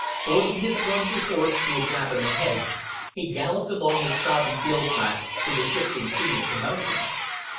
Forcing his clumsy horse through a gap in the hedge, he galloped along the sodden field tracks to the shifting scene of commotion.